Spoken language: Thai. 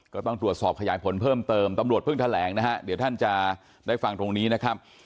ก็ต้องตรวจสอบขยายผลเพิ่มเติมตำรวจเพิ่งแถลงนะฮะเดี๋ยวท่านจะได้ฟังตรงนี้นะครับ